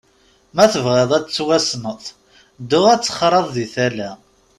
Ma tebɣiḍ ad tettwassneḍ, ddu ad texraḍ di tala.